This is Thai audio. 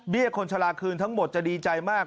คนชะลาคืนทั้งหมดจะดีใจมาก